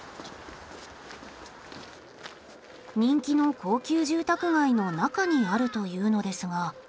人気の高級住宅街の中にあるというのですが。